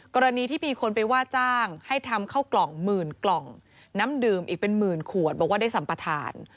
กรณีที่มีคนไปว่าจ้างให้ทำเข้ากล่องหมื่นกล่องน้ำดื่มอีกเป็นหมื่นขวดบอกว่าได้สัมปทาน